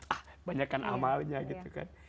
ah banyakkan amalnya gitu kan